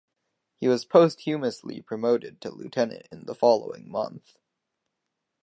He was posthumously promoted to Lieutenant in the following month.